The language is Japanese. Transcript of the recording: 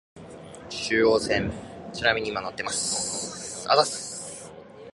中央線